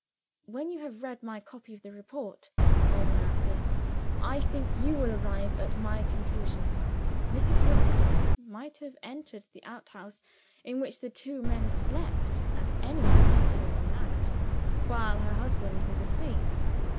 "When you have read my copy of the report," Alban answered, "I think you will arrive at my conclusion. Mrs. Rook might have entered the outhouse in which the two men slept, at any time during the night, while her husband was asleep.